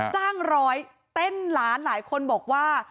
จ้างร้อยเต้นล้านหลายคนบอกว่า